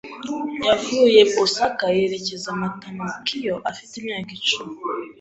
Yavuye Osaka yerekeza Matamaokiyo afite imyaka icumi.